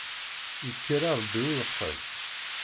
Yekker rebbi i uleqqem.